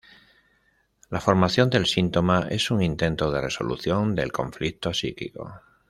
La formación del síntoma es un intento de resolución del conflicto psíquico.